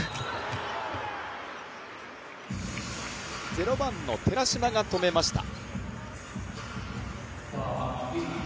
０番の寺嶋が止めました。